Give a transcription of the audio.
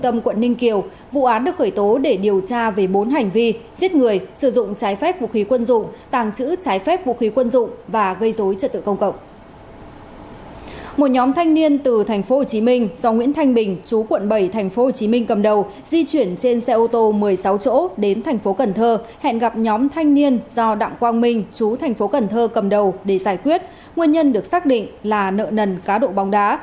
một nhóm thanh niên từ tp hcm do nguyễn thanh bình chú quận bảy tp hcm cầm đầu di chuyển trên xe ô tô một mươi sáu chỗ đến tp cn hẹn gặp nhóm thanh niên do đặng quang minh chú tp cn cầm đầu để giải quyết nguyên nhân được xác định là nợ nần cá độ bóng đá